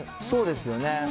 そうですよね。